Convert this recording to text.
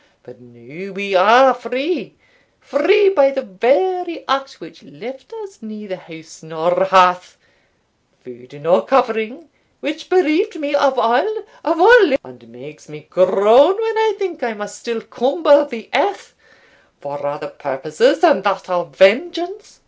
But now we are free free by the very act which left us neither house nor hearth, food nor covering which bereaved me of all of all and makes me groan when I think I must still cumber the earth for other purposes than those of vengeance.